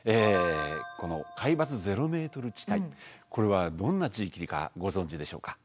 この海抜ゼロメートル地帯これはどんな地域かご存じでしょうか。